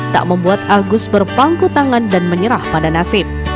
tak membuat agus berpangku tangan dan menyerah pada nasib